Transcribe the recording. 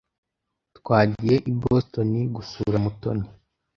Twagiye i Boston gusura Mutoni.